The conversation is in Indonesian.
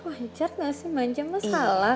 wajar gak sih macam masalah